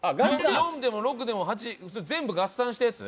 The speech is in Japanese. ４でも６でも８全部合算したやつ？